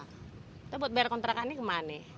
kita buat bayar kontrakannya kemana